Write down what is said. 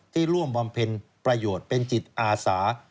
ร่วมบำเพ็ญประโยชน์เป็นจิตอาสา